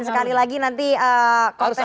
sekali lagi nanti kontestasinya